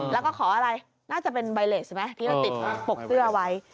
แล้วก็ขออะไรน่าจะเป็นใบเลสใช่ไหมที่เราติดปกเสื้อไว้